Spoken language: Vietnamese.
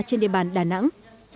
trên địa bàn đà nẵng